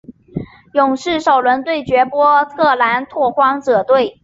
勇士首轮对决波特兰拓荒者队。